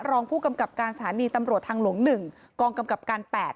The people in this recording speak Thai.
รองผู้กำกับการสถานีตำรวจทางหลวง๑กองกำกับการ๘